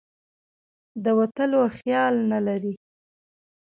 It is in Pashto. د وتلو خیال نه لري.